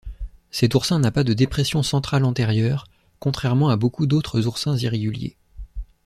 Cet oursin n'a pas de dépression centrale antérieure, contrairement à beaucoup d'autres oursins irréguliers.